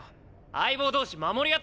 相棒同士守り合って。